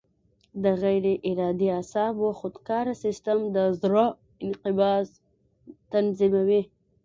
د غیر ارادي اعصابو خودکاره سیستم د زړه انقباض تنظیموي.